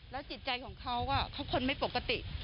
จิตใจของเขาเขาคนไม่ปกติ